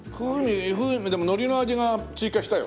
風味でも海苔の味が追加したよ。